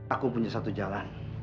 aku punya satu jalan